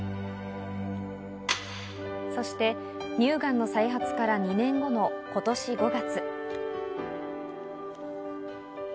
そして乳がんの再発から２年後の今年５月。